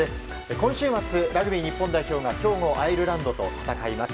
今週末、ラグビー日本代表が今日もアイルランドと戦います。